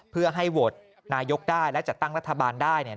เพื่อให้โหวตนายกได้และจัดตั้งรัฐบาลได้